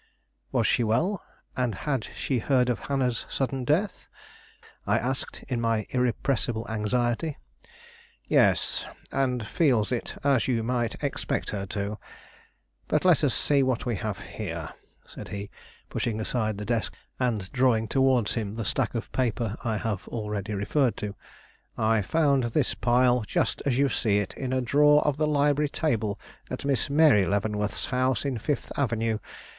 "Was she well; and had she heard of Hannah's sudden death?" I asked, in my irrepressible anxiety. "Yes, and feels it, as you might expect her to. But let us see what we have here," said he, pushing aside the desk, and drawing towards him the stack of paper I have already referred to. "I found this pile, just as you see it, in a drawer of the library table at Miss Mary Leavenworth's house in Fifth Avenue.